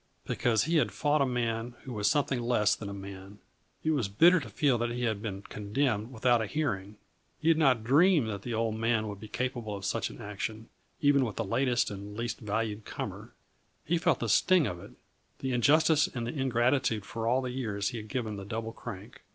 Because he had fought a man who was something less than a man. It was bitter to feel that he had been condemned without a hearing. He had not dreamed that the Old Man would be capable of such an action, even with the latest and least valued comer; he felt the sting of it, the injustice and the ingratitude for all the years he had given the Double Crank.